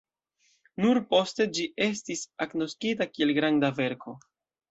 Nur poste ĝi estis agnoskita kiel granda verko.